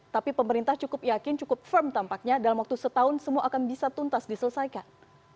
tapi pemerintah cukup yakin cukup firm tampaknya dalam waktu setahun semua akan bisa tuntas diselesaikan